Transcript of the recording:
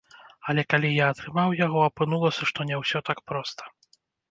Але калі я атрымаў яго, апынулася, што не ўсё так проста.